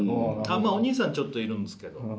まぁお兄さんはちょっといるんですけど。